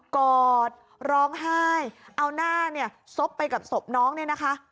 กอดร้องไห้เอาหน้าเนี่ยซบไปกับศพน้องเนี่ยนะคะ